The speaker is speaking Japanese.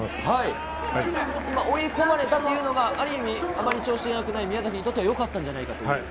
追い込まれたというのが、ある意味、あまり調子の良くない宮崎にとって、よかったんじゃないかと。